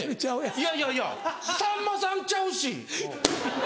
いやいやいやさんまさんちゃうし。